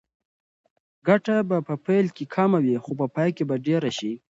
ګټه به په پیل کې کمه وي خو په پای کې به ډېره شي.